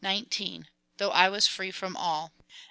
Though I was free from all.